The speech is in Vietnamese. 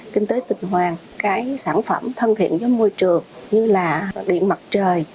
kinh tế tuần hoàng sản phẩm thân thiện với môi trường như điện mặt trời